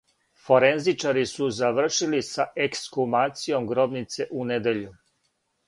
Форензичари су завршили са ексхумацијом гробнице у недељу.